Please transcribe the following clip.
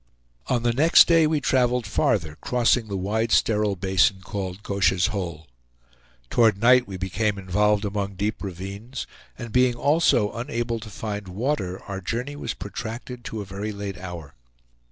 On the next day we traveled farther, crossing the wide sterile basin called Goche's Hole. Toward night we became involved among deep ravines; and being also unable to find water, our journey was protracted to a very late hour.